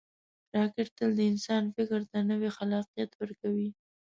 راکټ تل د انسان فکر ته نوی خلاقیت ورکوي